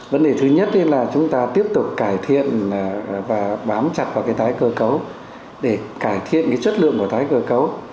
vấn đề thứ nhất là chúng ta tiếp tục cải thiện và bám chặt vào cái tái cơ cấu để cải thiện cái chất lượng của tái cơ cấu